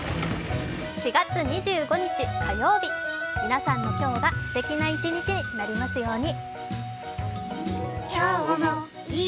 ４月２５日火曜日、皆さんの今日がすてきな一日になりますように。